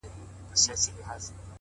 ستا د ږغ څــپــه _ څـپه _څپــه نـه ده _